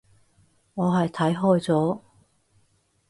我係睇開咗